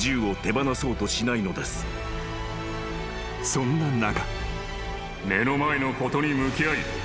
［そんな中］